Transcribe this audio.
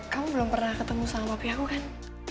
kamu belum pernah ketemu sama papi aku kan